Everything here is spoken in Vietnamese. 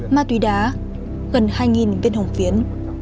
ma túy đá gần hai viên hồng phiến